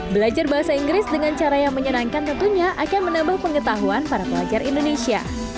belajar bahasa inggris dengan cara yang menyenangkan tentunya akan menambah pengetahuan para pelajar indonesia